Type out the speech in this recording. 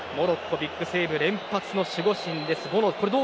ビッグセーブ連発の守護神です。